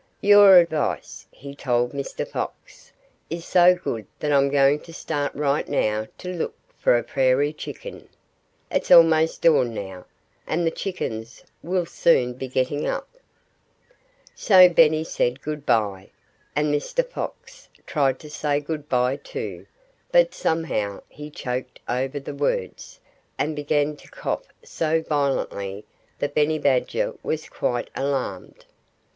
"Your advice," he told Mr. Fox, "is so good that I'm going to start right now to look for a Prairie Chicken. It's almost dawn now. And the Chickens will soon be getting up." So Benny said good by. And Mr. Fox tried to say good by, too; but somehow he choked over the words, and began to cough so violently that Benny Badger was quite alarmed.